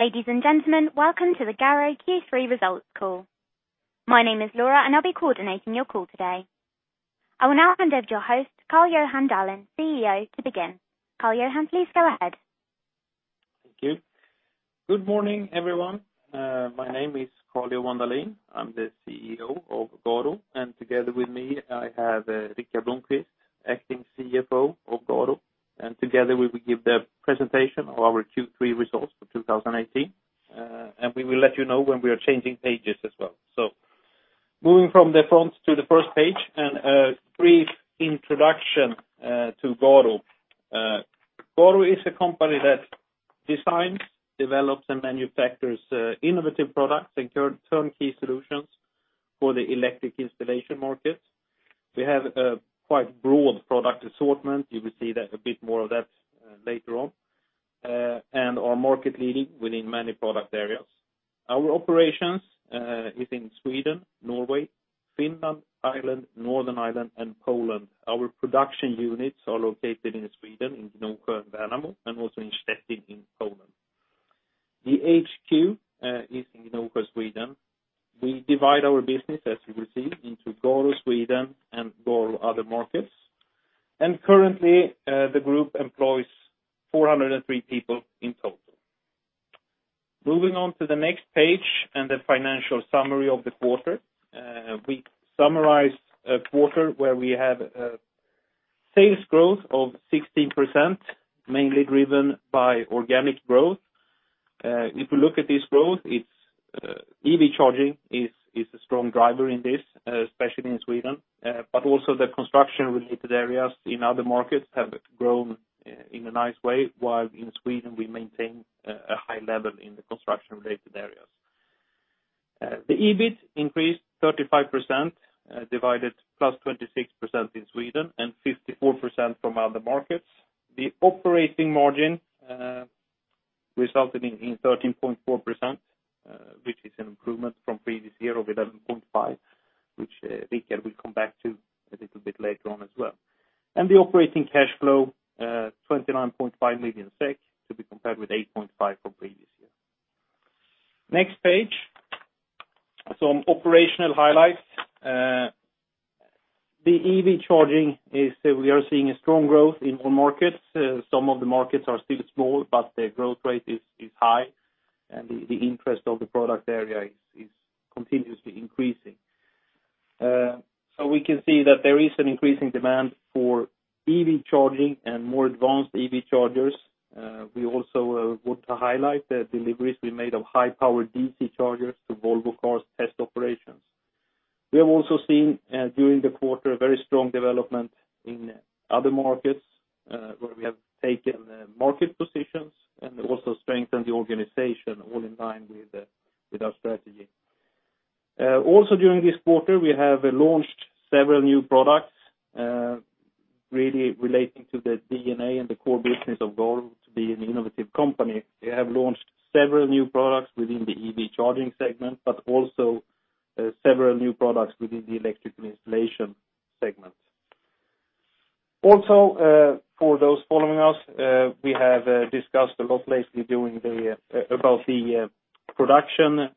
Ladies and gentlemen, welcome to the GARO Q3 results call. My name is Laura, and I'll be coordinating your call today. I will now hand over to your host, Carl-Johan Dalin, CEO, to begin. Carl-Johan, please go ahead. Thank you. Good morning, everyone. My name is Carl-Johan Dalin. I'm the CEO of GARO, and together with me, I have Rickard Blomqvist, acting CFO of GARO. Together, we will give the presentation of our Q3 results for 2018. And we will let you know when we are changing pages as well. Moving from the front to the first page, and a brief introduction to GARO. GARO is a company that designs, develops, and manufactures innovative products and turnkey solutions for the electric installation market. We have a quite broad product assortment. You will see that, a bit more of that later on. And are market leading within many product areas. Our operations is in Sweden, Norway, Finland, Ireland, Northern Ireland, and Poland. Our production units are located in Sweden, in Gnosjö and Värnamo, and also in Szczecin, in Poland. The HQ is in Gnosjö, Sweden. We divide our business, as you will see, into GARO Sweden and GARO other markets. And currently, the group employs 403 people in total. Moving on to the next page and the financial summary of the quarter. We summarized a quarter where we have sales growth of 16%, mainly driven by organic growth. If you look at this growth, it's EV charging is a strong driver in this, especially in Sweden, but also the construction related areas in other markets have grown in a nice way, while in Sweden we maintain a high level in the construction related areas. The EBIT increased 35%, delivered +26% in Sweden and 54% from other markets. The operating margin resulted in 13.4%, which is an improvement from previous year of 11.5%, which Rickard will come back to a little bit later on as well. And the operating cash flow 29.5 million SEK, to be compared with 8.5 million SEK from previous year. Next page, some operational highlights. The EV charging is that we are seeing a strong growth in all markets. Some of the markets are still small, but the growth rate is high, and the interest of the product area is continuously increasing. So we can see that there is an increasing demand for EV charging and more advanced EV chargers. We also want to highlight the deliveries we made of high-powered DC chargers to Volvo Cars test operations. We have also seen during the quarter a very strong development in other markets, where we have taken market positions and also strengthened the organization all in line with our strategy. Also during this quarter, we have launched several new products really relating to the DNA and the core business of GARO to be an innovative company. We have launched several new products within the EV charging segment, but also several new products within the electrical installation segment. Also, for those following us, we have discussed a lot lately during the about the production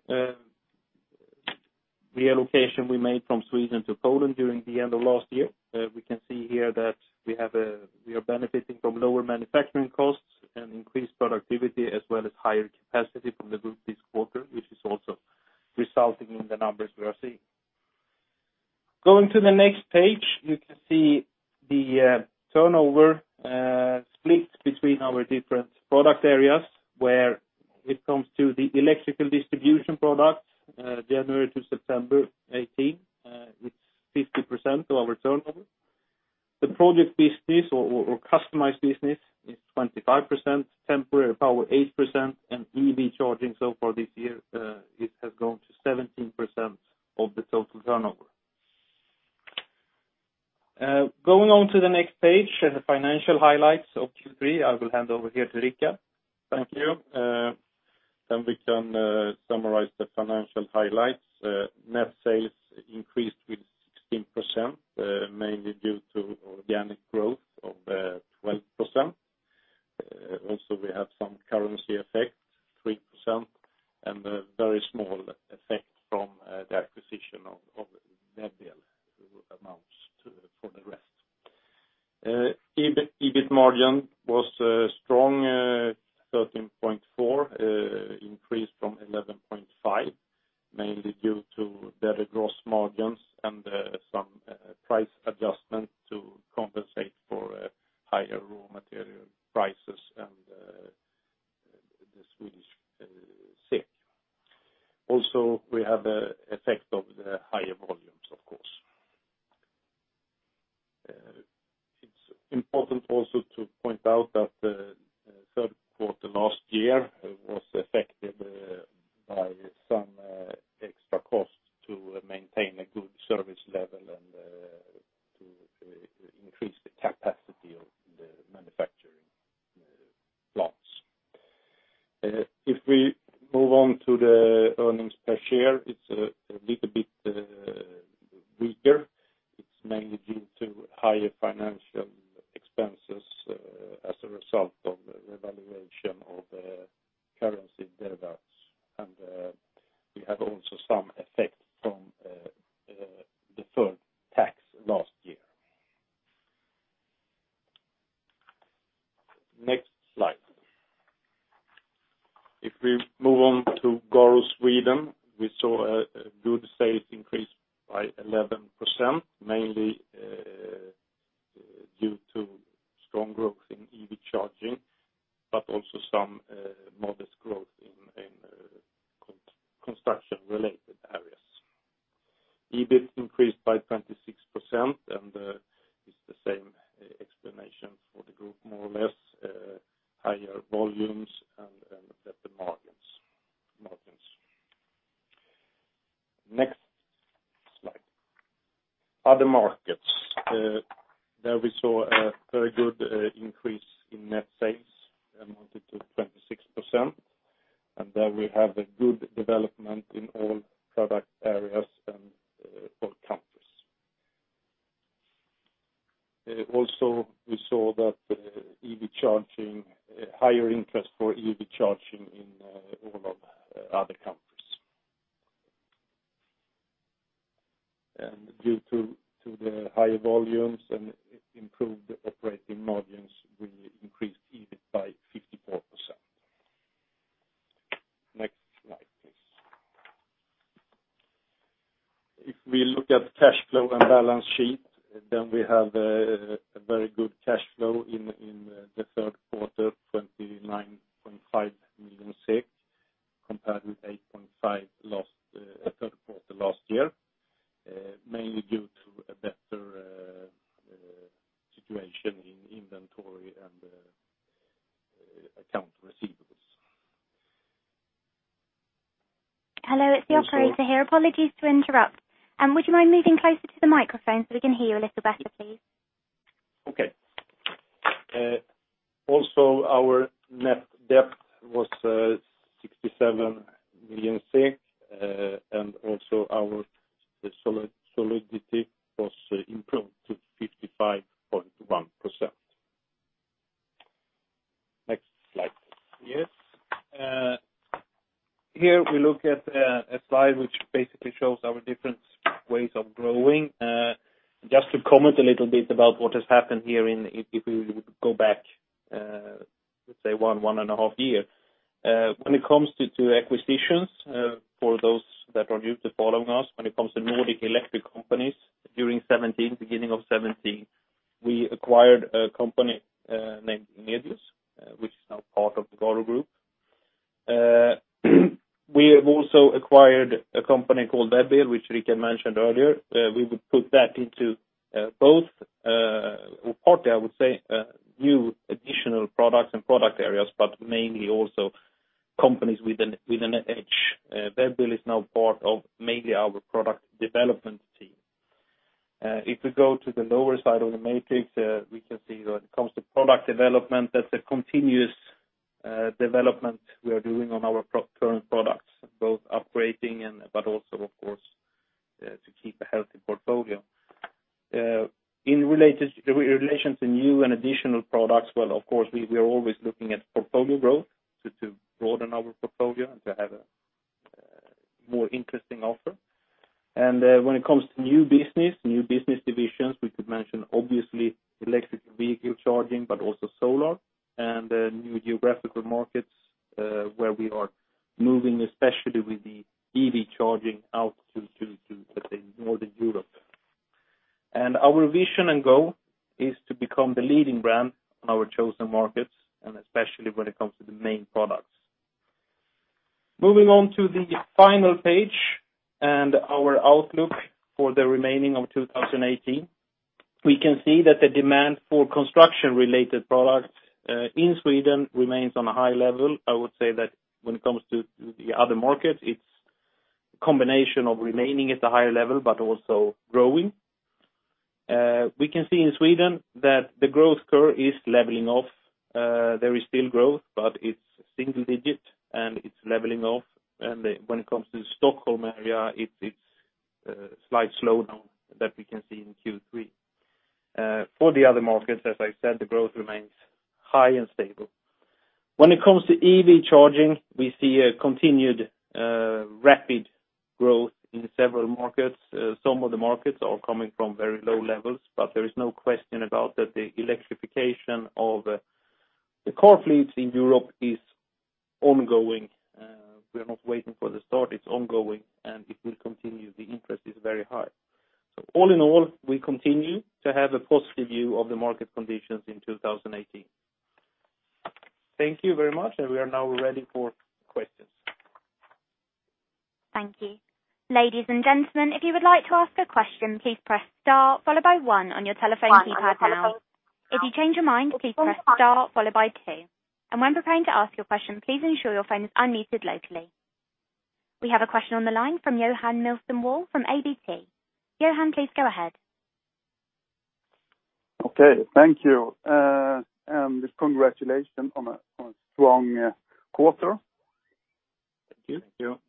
reallocation we made from Sweden to Poland during the end of last year. We can see here that we have a-- we are benefiting from lower manufacturing costs and increased productivity, as well as higher capacity from the group this quarter, which is also resulting in the numbers we are seeing. Going to the next page, you can see the turnover split between our different product areas, where it comes to the electrical distribution product, January to September 2018, it's 50% of our turnover. The project business or customized business is 25%, temporary power, 8%, and EV charging so far this year, it has grown to 17% of the total turnover. Going on to the next page, the financial highlights of Q3. I will hand over here to Rickard. Thank you. Then we can summarize the financial highlights. Net sales increased with 16%, mainly due to organic growth of 12%. Also, we have some currency effect, 3%, and a very small effect from the acquisition of Emedius, who amounts to the rest. EBIT margin was strong, 13.4%, increased from 11.5%, mainly due to better gross margins and some price adjustment to compensate for higher raw material prices and the Swedish SEK. Also, we have the effect of the higher volumes, of course. It's important also to point out that the third quarter last year was affected by some extra costs to maintain a good service level and to increase the capacity of the manufacturing plants. If we move on to the earnings per share, it's a little bit weaker. It's mainly due to higher financial expenses as a result of the revaluation slide. Yes. Here we look at a slide which basically shows our different ways of growing. Just to comment a little bit about what has happened here, if we go back, let's say 1.5 years. When it comes to acquisitions, for those that are used to following us, when it comes to Nordic electric companies, during 2017, beginning of 2017, we acquired a company named Emedius, which is now part of the GARO Group. We have also acquired a company called WEB-EL, which Rickard mentioned earlier. We would put that into both, or partly, I would say, new additional products and product areas, but mainly also companies with an edge. WEB-EL is now part of mainly our product development team. If we go to the lower side of the matrix, we can see when it comes to product development, that's a continuous development we are doing on our current products, both upgrading and, but also, of course, to keep a healthy portfolio. In relation to new and additional products, well, of course, we are always looking at portfolio growth to broaden our portfolio and to have a more interesting offer. And when it comes to new business, new business divisions, we could mention, obviously, electric vehicle charging, but also solar, and new geographical markets, where we are moving, especially with the EV charging out to, let's say, Northern Europe. And our vision and goal is to become the leading brand in our chosen markets, and especially when it comes to the main products. Moving on to the final page and our outlook for the remaining of 2018. We can see that the demand for construction-related products in Sweden remains on a high level. I would say that when it comes to the other markets, it's a combination of remaining at a higher level but also growing. We can see in Sweden that the growth curve is leveling off. There is still growth, but it's single-digit, and it's leveling off. When it comes to the Stockholm area, it's a slight slowdown that we can see in Q3. For the other markets, as I said, the growth remains high and stable. When it comes to EV charging, we see a continued rapid growth in several markets. Some of the markets are coming from very low levels, but there is no question about that the electrification of the car fleets in Europe is ongoing. We are not waiting for the start, it's ongoing, and it will continue. The interest is very high. So all in all, we continue to have a positive view of the market conditions in 2018. Thank you very much, and we are now ready for questions. Thank you. Ladies and gentlemen, if you would like to ask a question, please press star followed by one on your telephone keypad now. If you change your mind, please press star followed by two, and when preparing to ask your question, please ensure your phone is unmuted locally. We have a question on the line from Johan Nilsson, from ABG Sundal Collier. Johan, please go ahead. Okay, thank you. Congratulations on a strong quarter. Thank you.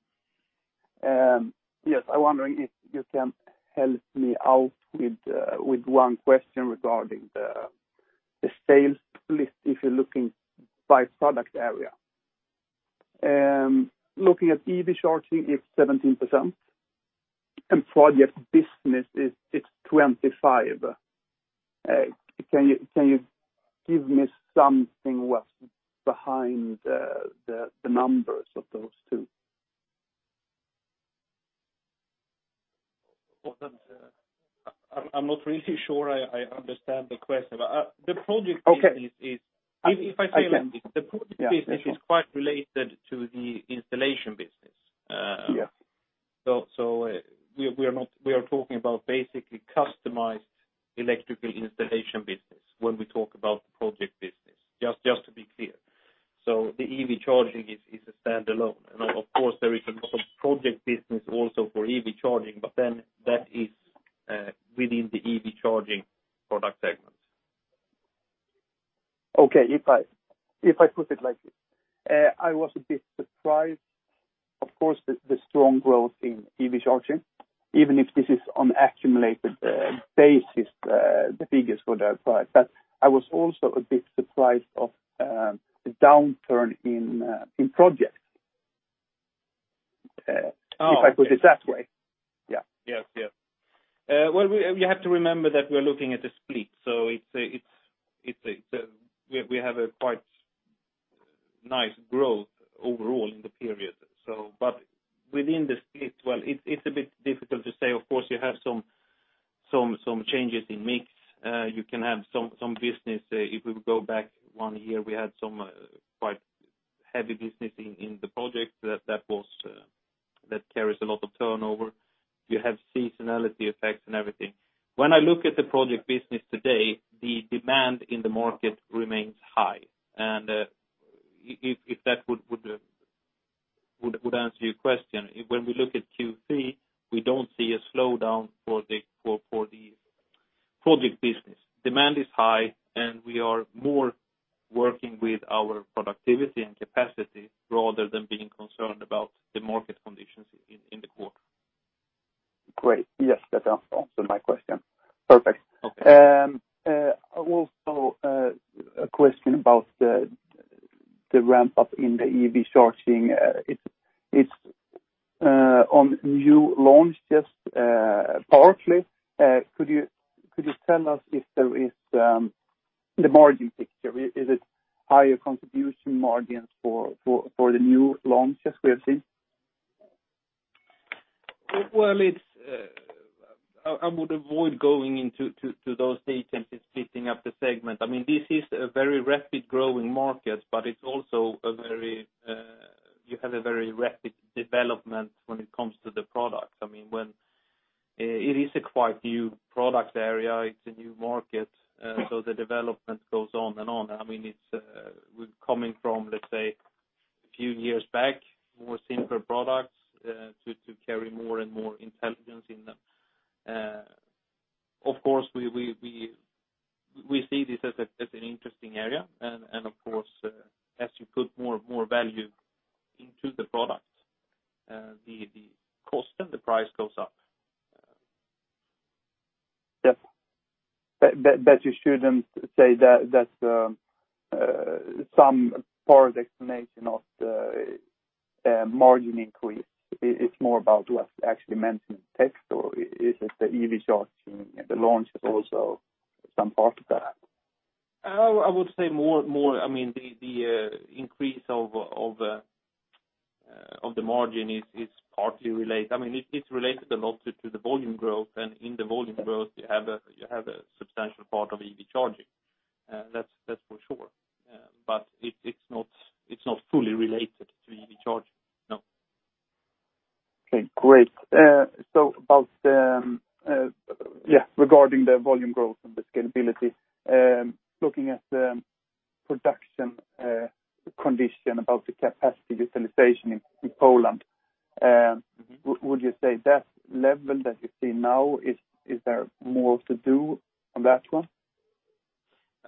Yes, I'm wondering if you can help me out with, with one question regarding the sales split, if you're looking by product area. Looking at EV charging, it's 17%, and project business is 25. Can you give me something what's behind the numbers of those two? Well, that's, I'm not really sure I understand the question, but the project business is- Okay. If I say- Yeah. The project business is quite related to the installation business. Yeah. So we are talking about basically customized electrical installation business when we talk about the project business, just to be clear. So the EV charging is a standalone. And of course, there is a lot of project business also for EV charging, but then that is within the EV charging product segment. Okay. If I, if I put it like this, I was a bit surprised, of course, the, the strong growth in EV charging, even if this is on accumulated basis, the figures for that part. But I was also a bit surprised of, the downturn in, in projects. If I put it that way. Yeah. Yes. Yes. Well, we have to remember that we're looking at a split, so it's a – we have a quite nice growth overall in the period. So, but within the split, well, it's a bit difficult to say. Of course, you have some changes in mix. You can have some business. If we go back one year, we had some quite heavy business in the project that carries a lot of turnover. You have seasonality effects and everything. When I look at the project business today, the demand in the market remains high. And, if that would answer your question, when we look at Q3, we don't see a slowdown for the project business. Demand is high, and we are more working with our productivity and capacity rather than being concerned about the market conditions in the quarter. Great. Yes, that answered my question. Perfect. Okay. Also, a question about the ramp up in the EV charging. It's on new launch, just powerfully. Could you tell us if there is the margin picture? Is it higher contribution margins for the new launches we have seen? Well, well, I would avoid going into those details and splitting up the segment. I mean, this is a very rapid growing market, but it's also a very, you have a very rapid development when it comes to the products. I mean, it is a quite new product area, it's a new market, so the development goes on and on. I mean, we're coming from, let's say, a few years back, more simpler products, to carry more and more intelligence in them. Of course, we see this as an interesting area, and of course, as you put more value into the products, the cost and the price goes up. Yes. But you shouldn't say that, that's some part of the explanation of the margin increase. It's more about what actually mentioned text, or is it the EV charging, the launch is also some part of that? I would say more—I mean, the increase of the margin is partly related. I mean, it's related a lot to the volume growth, and in the volume growth, you have a substantial part of EV charging, that's for sure. But it's not fully related to EV charging, no. Okay, great. So about the, regarding the volume growth and the scalability, looking at the production condition about the capacity utilization in Poland. Would you say that level that you see now, is there more to do on that one?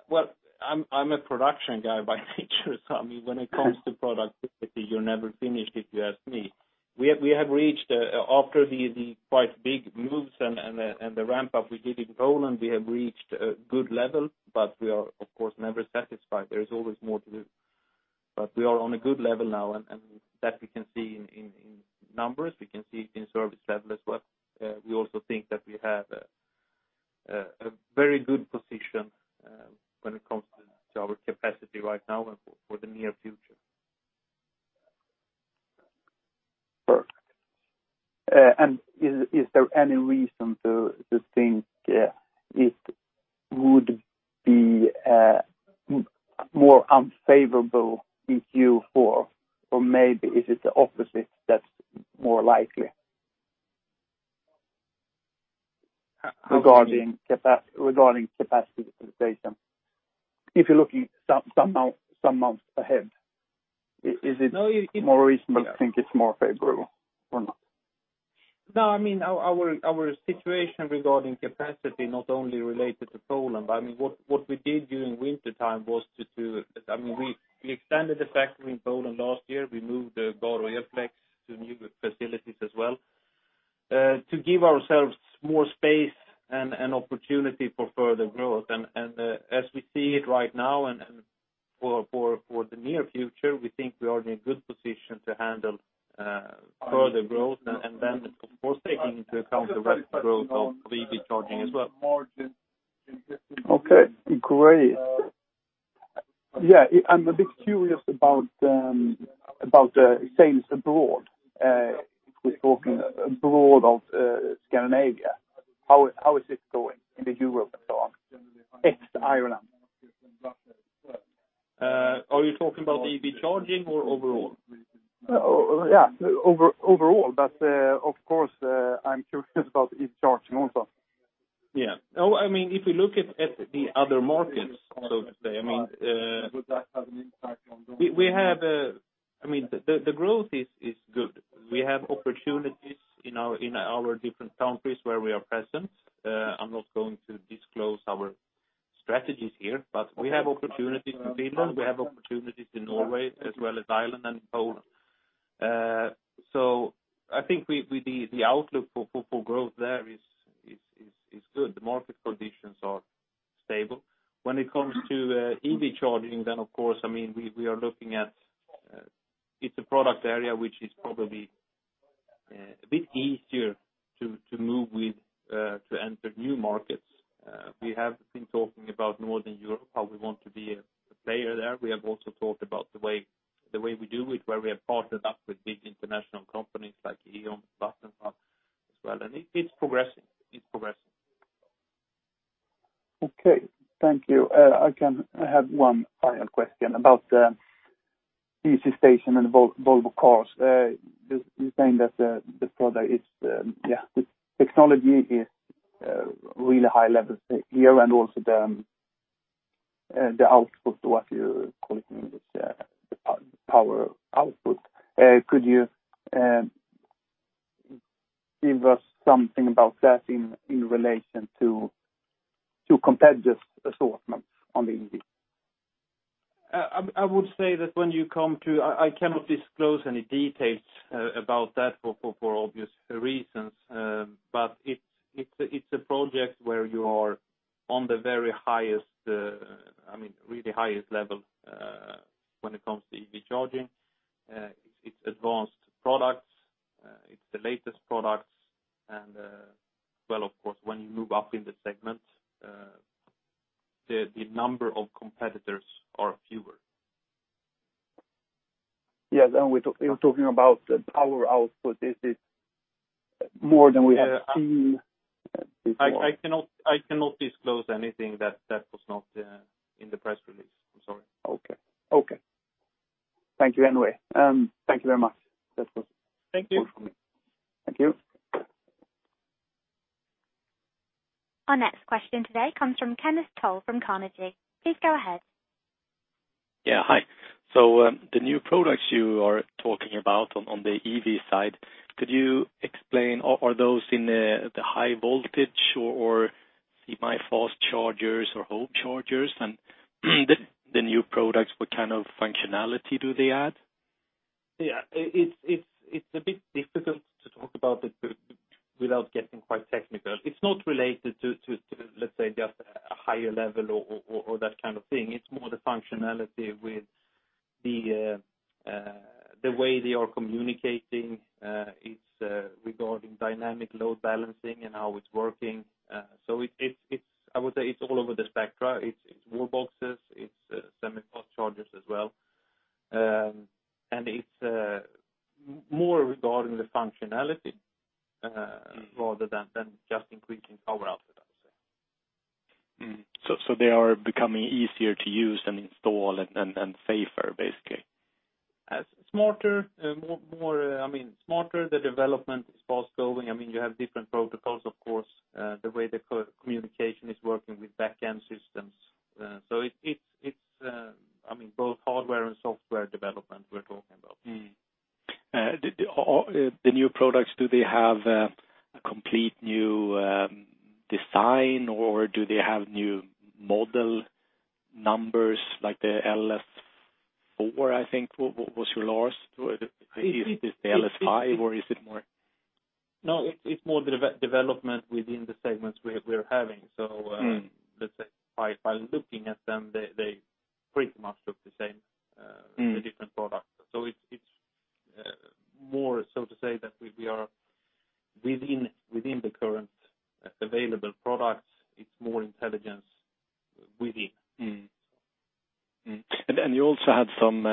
Well, I'm a production guy by nature, so I mean, when it comes to productivity, you're never finished if you ask me. We have reached, after the quite big moves and the ramp up we did in Poland, a good level, but we are, of course, never satisfied. There is always more to do. But we are on a good level now, and that we can see in numbers; we can see it in service level as well. We also think that we have a very good position, when it comes to our capacity right now and for the near future. Perfect. And is there any reason to think it would be more unfavorable in Q4, or maybe is it the opposite that's more likely? Regarding capacity utilization. If you're looking some months ahead, is it- No, it- more reasonable to think it's more favorable or not? No, I mean, our situation regarding capacity, not only related to Poland, but I mean, what we did during wintertime was—I mean, we extended the factory in Poland last year. We moved the GARO Elflex to new facilities as well, to give ourselves more space and opportunity for further growth. And as we see it right now and for the near future, we think we are in a good position to handle further growth. And then, of course, taking into account the rapid growth of EV charging as well. Okay, great. Yeah, I'm a bit curious about the sales abroad. We're talking abroad of Scandinavia. How is this going in the Europe and so on, ex Ireland? Are you talking about EV charging or overall? Yeah, overall. But, of course, I'm curious about EV charging also. Yeah. No, I mean, if you look at the other markets, so to say, I mean, we have... I mean, the growth is good. We have opportunities in our different countries where we are present. I'm not going to disclose our strategies here, but we have opportunities in Finland, we have opportunities in Norway as well as Ireland and Poland. So I think we, with the outlook for growth there is good. The market conditions are stable. When it comes to EV charging, then of course, I mean, we are looking at, it's a product area which is probably a bit easier to move with, to enter new markets. We have been talking about Northern Europe, how we want to be a player there. We have also talked about the way, the way we do it, where we have partnered up with big international companies like E.ON and whatnot as well, and it's progressing, it's progressing. Okay. Thank you. I have one final question about the DC station and Volvo Cars. You're saying that the product is, yeah, the technology is really high level here, and also the output, what you call it, the power output. Could you give us something about that in relation to competitive assortment on the EV? I would say that when you come to... I cannot disclose any details about that for obvious reasons. But it's a project where you are on the very highest, I mean, really highest level, when it comes to EV charging. It's advanced products, it's the latest products, and, well, of course, when you move up in the segment, the number of competitors are fewer. Yes, and we're talking about the power output. Is it more than we have seen before? I cannot disclose anything that was not in the press release. I'm sorry. Okay. Okay. Thank you anyway. Thank you very much. That's all. Thank you. Thank you. Our next question today comes from Kenneth Toll from Carnegie. Please go ahead. Yeah, hi. So, the new products you are talking about on the EV side, could you explain, are those in the high voltage or semi-fast chargers or home chargers? And the new products, what kind of functionality do they add? Yeah, it's a bit difficult to talk about it without getting quite technical. It's not related to, let's say, just a higher level or that kind of thing. It's more the functionality with the way they are communicating, it's regarding dynamic load balancing and how it's working. So it, I would say it's all over the spectrum. It's wall boxes, it's semi-fast chargers as well. And it's more regarding the functionality rather than just increasing power output, I would say. So, they are becoming easier to use and install and safer, basically? As smarter, more, I mean, smarter, the development is fast going. I mean, you have different protocols, of course, the way the communication is working with back-end systems. So it's, I mean, both hardware and software development we're talking about. The new products, do they have a complete new design, or do they have new model numbers like the LS4, I think, what was your last? Is it the LS5, or is it more- No, it's more development within the segments we're having. Let's say by looking at them, they pretty much look the same.... the different products. So it's more so to say that we are within the current available products, it's more intelligence within. And you also had some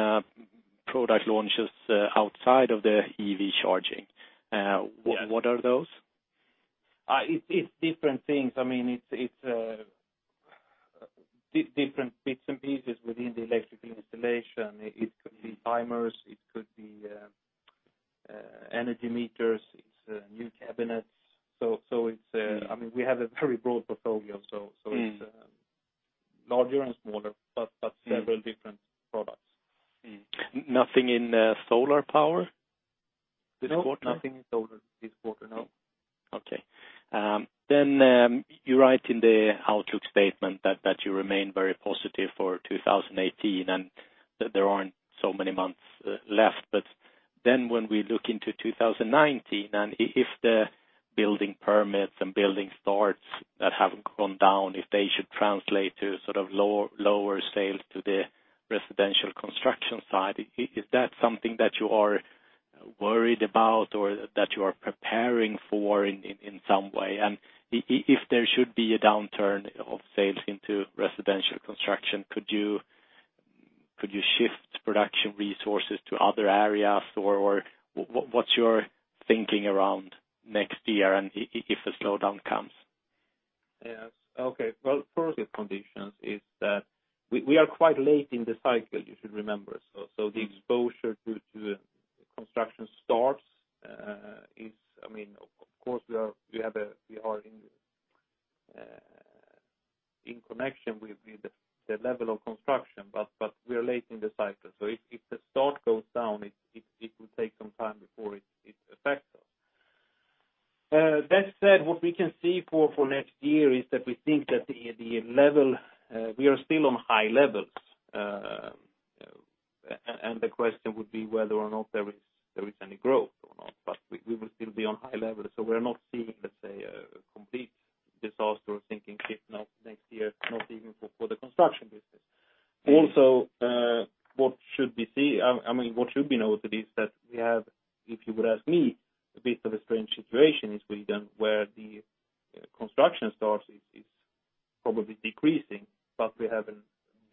product launches outside of the EV charging. Yeah. What are those? It's different things. I mean, different bits and pieces within the electrical installation. It could be timers, it could be energy meters, it's new cabinets. So, it's, I mean, we have a very broad portfolio, so, it's larger and smaller, but, but several different products. Nothing in solar power this quarter? No, nothing in solar this quarter, no. Okay. Then, you write in the outlook statement that you remain very positive for 2018, and that there aren't so many months left. But then when we look into 2019, and if the building permits and building starts that have gone down, if they should translate to sort of lower sales to the residential construction side, is that something that you are worried about or that you are preparing for in some way? And if there should be a downturn of sales into residential construction, could you shift production resources to other areas? Or, what, what's your thinking around next year and if the slowdown comes? Yes. Okay. Well, first, the conditions is that we are quite late in the cycle, you should remember. So the exposure to construction starts is, I mean, of course, we are, we have a, we are in connection with the level of construction, but we are late in the cycle. So if the start goes down, it will take some time before it affects us. That said, what we can see for next year is that we think that the level we are still on high levels. And the question would be whether or not there is any growth or not, but we will still be on high levels, so we're not seeing, let's say, a complete disaster or sinking ship next year, not even for the construction business. Also, what should we see, I mean, what should be noted is that we have, if you would ask me, a bit of a strange situation in Sweden, where the construction starts is probably decreasing, but we have a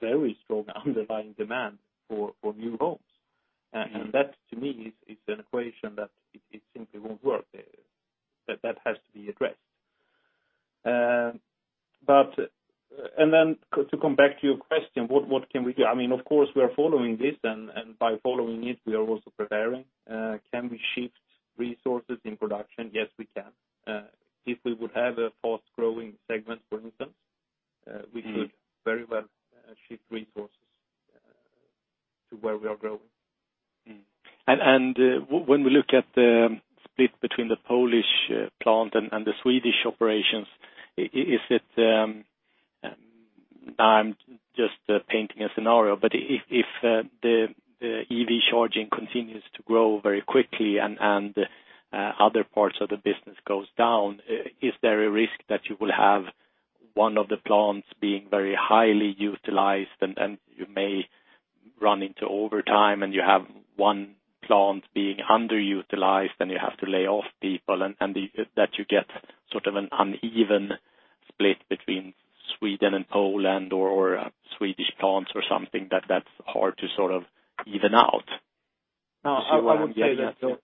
very strong underlying demand for new homes. And that, to me, is an equation that it simply won't work, that has to be addressed. But and then to come back to your question, what can we do? I mean, of course, we are following this, and by following it, we are also preparing. Can we shift resources in production? Yes, we can. If we would have a fast-growing segment, for instance, we could very well shift resources to where we are growing. And, and, when we look at the split between the Polish plant and the Swedish operations, is it... I'm just painting a scenario, but if the EV charging continues to grow very quickly and other parts of the business goes down, is there a risk that you will have one of the plants being very highly utilized, and you may run into overtime, and you have one plant being underutilized, and you have to lay off people, and that you get sort of an uneven split between Sweden and Poland or Swedish plants or something, that's hard to sort of even out? No, I would say that- Do you see what I mean?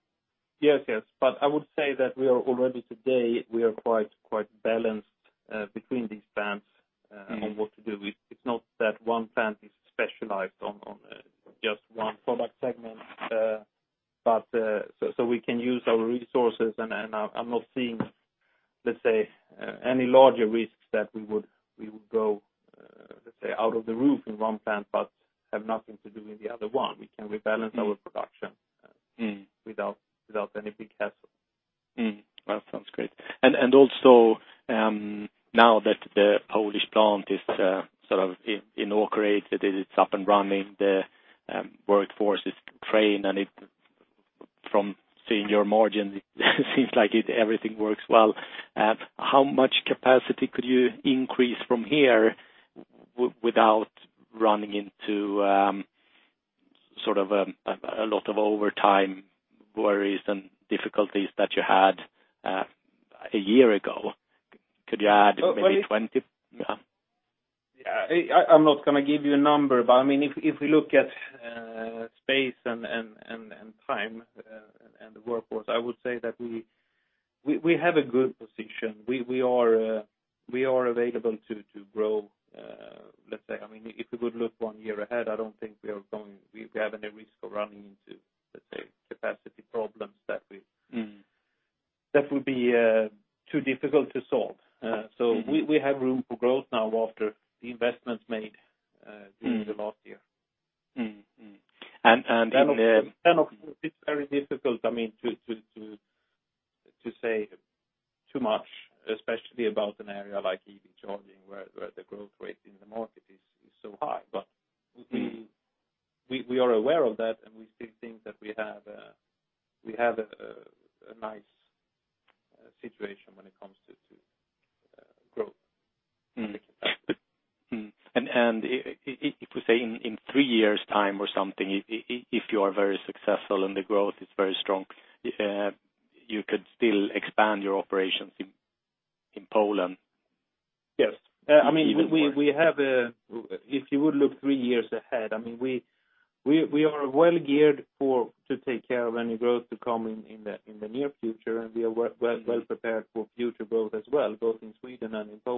Yes, yes. But I would say that we are already today, we are quite, quite balanced between these plants on what to do with. It's not that one plant is specialized on just one product segment, but... So, we can use our resources, and I'm not seeing, let's say, any larger risks that we would go, let's say, out of the roof in one plant, but have nothing to do in the other one. We can rebalance our production- without any big hassle. Well, sounds great. Also, now that the Polish plant is sort of inaugurated, it's up and running, the workforce is trained, and it, from seeing your margins, it seems like it, everything works well. How much capacity could you increase from here without running into sort of a lot of overtime worries and difficulties that you had a year ago? Could you add maybe 20? Yeah. I'm not going to give you a number, but I mean, if we look at space and time and the workforce, I would say that we have a good position. We are available to grow. Let's say, I mean, if we would look one year ahead, I don't think we are going -- we have any risk of running into, let's say, capacity problems that we- that would be too difficult to solve. So we have room for growth now after the investments made during the last year. Then, of course, it's very difficult, I mean, to say too much, especially about an area like EV charging, where the growth rate in the market is so high. But we are aware of that, and we still think that we have a nice situation when it comes to growth. And if we say in three years' time or something, if you are very successful and the growth is very strong, you could still expand your operations in Poland? Yes. I mean- We have a... If you would look three years ahead, I mean, we are well geared for to take care of any growth to come in the near future, and we are well prepared for future growth as well, both in Sweden and in Poland.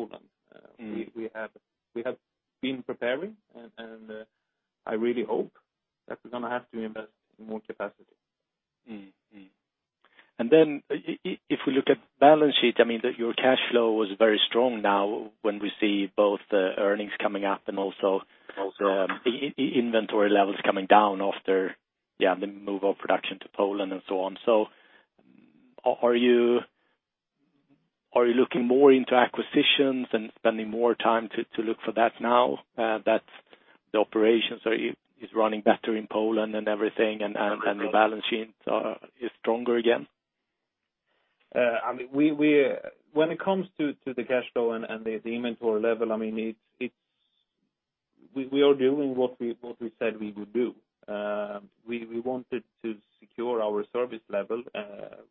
We have been preparing, and I really hope that we're going to have to invest in more capacity. And then if we look at balance sheet, I mean, the, your cash flow is very strong now when we see both the earnings coming up and also, the inventory levels coming down after, yeah, the move of production to Poland and so on. So are you, are you looking more into acquisitions and spending more time to look for that now, that the operations are is running better in Poland and everything, and, and, and the balance sheets are is stronger again? I mean, when it comes to the cash flow and the inventory level, I mean, we are doing what we said we would do. We wanted to secure our service level.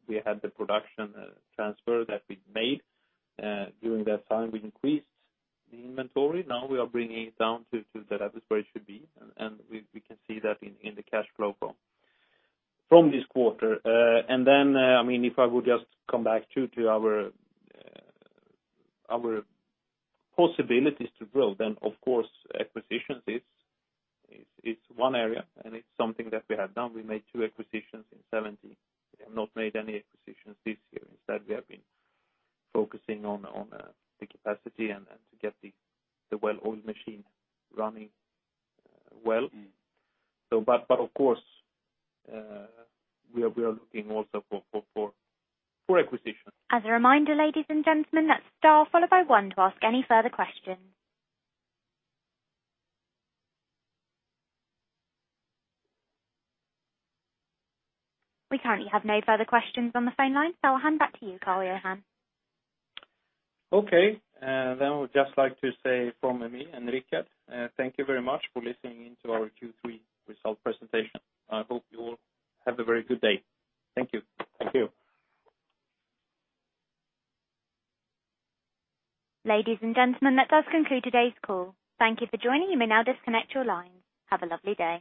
We had the production transfer that we made. During that time, we increased the inventory. Now we are bringing it down to the level where it should be, and we can see that in the cash flow from this quarter. And then, I mean, if I would just come back to our possibilities to grow, then of course, acquisitions is one area, and it's something that we have done. We made two acquisitions in 2017. We have not made any acquisitions this year. Instead, we have been focusing on the capacity and to get the well-oiled machine running well. But of course, we are looking also for acquisitions. As a reminder, ladies and gentlemen, that's star followed by one to ask any further questions. We currently have no further questions on the phone line, so I'll hand back to you, Carl-Johan. Okay. Then I would just like to say from me and Rickard, thank you very much for listening in to our Q3 result presentation. I hope you all have a very good day. Thank you. Thank you. Ladies and gentlemen, that does conclude today's call. Thank you for joining. You may now disconnect your lines. Have a lovely day.